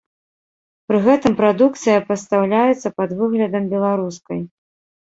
Пры гэтым прадукцыя пастаўляецца пад выглядам беларускай.